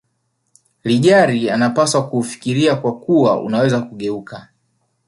lijari anapaswa kuufikiria kwa kuwa unaweza kugeuka